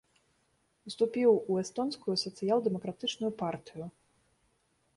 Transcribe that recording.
Уступіў у эстонскую сацыял-дэмакратычную партыю.